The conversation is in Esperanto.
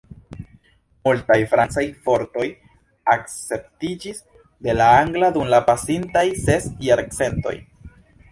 Multaj francaj vortoj akceptiĝis de la angla dum la pasintaj ses jarcentoj.